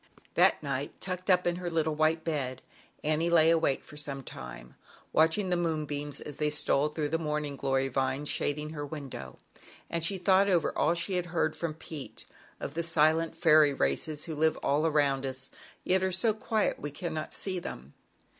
That night, tucked up in her little white bed, Annie lay awake for a long time, watching the moonbeams as they stole through the morning glory vines shading her window, and she thought over all she had heard from Pete, of the silent fairy races who live all around us, yet are so quiet that we cannot see them.